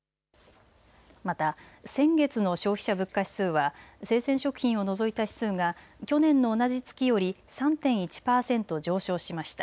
また先月の消費者物価指数は生鮮食品を除いた指数が去年の同じ月より３．１％上昇しました。